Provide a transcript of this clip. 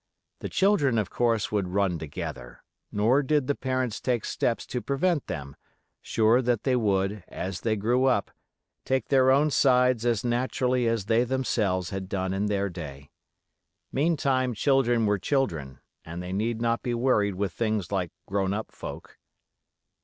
The children, of course, would "run together", nor did the parents take steps to prevent them, sure that they would, as they grew up, take their own sides as naturally as they themselves had done in their day. Meantime "children were children", and they need not be worried with things like grown up folk.